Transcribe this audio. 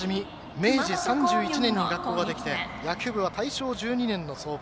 明治３１年に学校ができて野球部は大正１２年の創部。